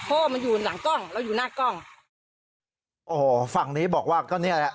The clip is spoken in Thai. เพราะว่ามันอยู่หลังกล้องเราอยู่หน้ากล้องโอ้โหฝั่งนี้บอกว่าก็เนี่ยแหละ